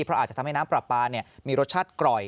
เพราะอาจจะทำให้น้ำปลาปลามีรสชาติกร่อย